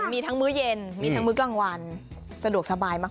มีทั้งมื้อเย็นมีทั้งมื้อกลางวันสะดวกสบายมาก